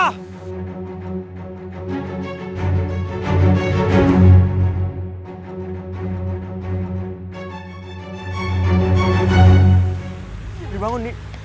ardi bangun nih